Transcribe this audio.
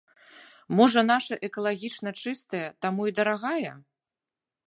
Можа наша экалагічна чыстая, таму і дарагая?